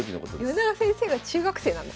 米長先生が中学生なんですね。